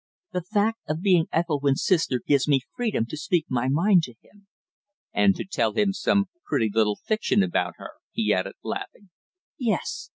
"The fact of being Ethelwynn's sister gives me freedom to speak my mind to him." "And to tell him some pretty little fiction about her?" he added, laughing. "Yes.